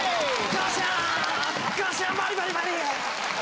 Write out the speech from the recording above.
ガシャーンバリバリバリ！